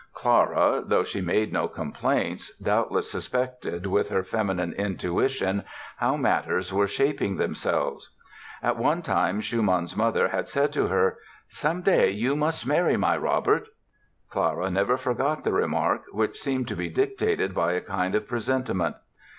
Clara, though she made no complaints, doubtless suspected with her feminine intuition how matters were shaping themselves. At one time Schumann's mother had said to her: "Some day you must marry my Robert". Clara never forgot the remark which seemed to be dictated by a kind of presentiment.